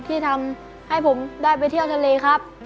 ที่ทำให้ผมได้ไปเที่ยวทะเลครับ